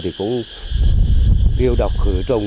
thì cũng yêu đọc khử trồng